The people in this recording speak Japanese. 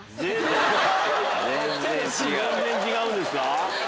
全然違うんですか？